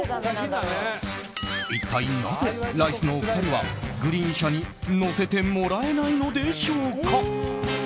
一体なぜ、ライスのお二人はグリーン車に乗せてもらえないのでしょうか。